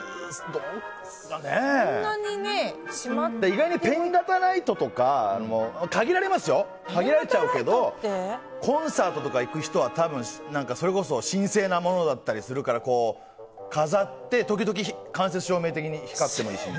意外にペン型ライトとか限られますけどコンサートとか行く人は神聖なものだったりするから飾って、時々間接照明的に光ってもいいし。